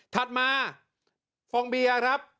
ถัดมาฟองเบียร์ครับ